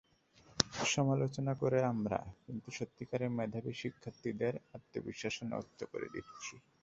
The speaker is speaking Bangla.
সমালোচনা করে আমরা কিন্তু সত্যিকার মেধাবী শিক্ষার্থীদের আত্মবিশ্বাসটাও নষ্ট করে দিচ্ছি।